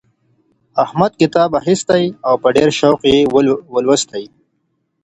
احمد کتاب واخیستی او په ډېر شوق یې ولوستی.